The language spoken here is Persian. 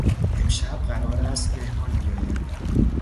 امشب قرار است مهمان بیاید.